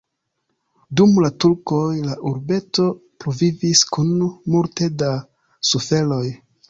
Dum la turkoj la urbeto pluvivis kun multe da suferoj.